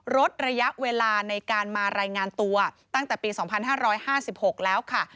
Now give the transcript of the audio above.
ลดระยะเวลาในการมารายงานตัวตั้งแต่ปี๒๕๕๖แล้วค่ะ